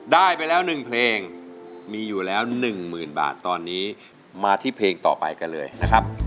ได้ไปแล้ว๑เพลงมีอยู่แล้ว๑หมื่นบาทตอนนี้มาที่เพลงต่อไปกันเลยนะครับ